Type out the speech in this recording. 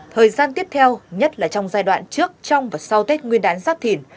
thời gian tiếp theo nhất là trong giai đoạn trước trong và sau tết nguyên đán giáp thìn